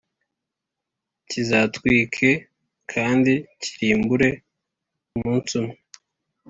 kizatwike kandi kirimbure umunsi umwe,